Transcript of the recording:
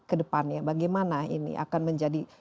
kedepannya bagaimana ini akan menjadi